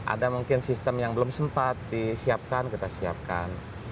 ada mungkin sistem yang belum sempat disiapkan kita siapkan